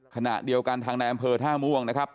ขณะเดียวกันทางในอำเภอท่าม่วงนะครับ